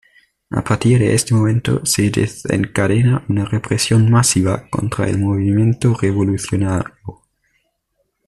A partir de este momento se desencadena una represión masiva contra el movimiento revolucionario.